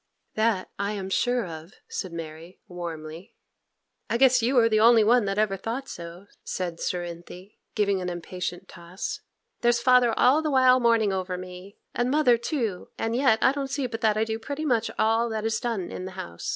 'That I am sure of,' said Mary, warmly. 'I guess you are the only one that ever thought so,' said Cerinthy, giving an impatient toss; 'there's father all the while mourning over me, and mother too, and yet I don't see but that I do pretty much all that is done in the house.